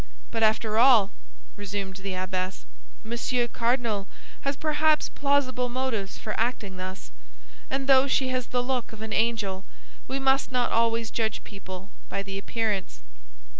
But after all," resumed the abbess, "Monsieur Cardinal has perhaps plausible motives for acting thus; and though she has the look of an angel, we must not always judge people by the appearance."